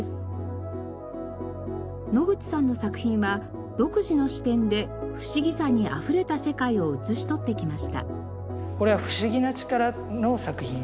野口さんの作品は独自の視点で不思議さにあふれた世界を写しとってきました。